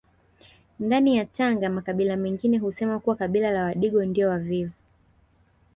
Ndani ya Tanga makabila mengine husema kuwa kabila la Wadigo ndio wavivu